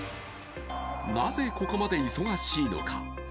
なぜここまで忙しいのか。